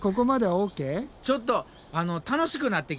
ちょっと楽しくなってきた。